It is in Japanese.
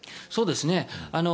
そうですね。